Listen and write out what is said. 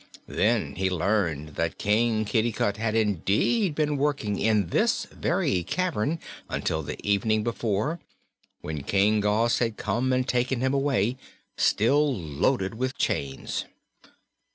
Then he Teamed that King Kitticut had indeed been working in this very cavern until the evening before, when King Gos had come and taken him away still loaded with chains.